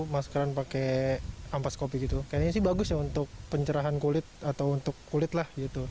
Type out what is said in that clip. maskeran pakai ampas kopi gitu kayaknya sih bagus ya untuk pencerahan kulit atau untuk kulit lah gitu